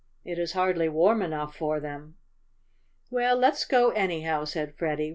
It is hardly warm enough for them." "Well, let's go anyhow," said Freddie.